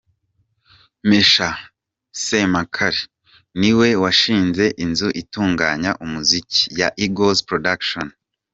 Mesach Semakula: Ni we washinze inzu itunganya umuziki ya Eagles Production.